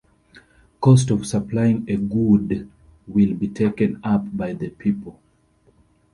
Cost of supplying a good will be taken up by the people.